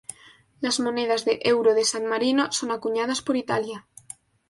Las monedas de euro de San Marino son acuñadas por Italia.